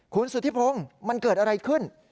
คุณสุธิพงศ์มันเกิดอะไรขึ้น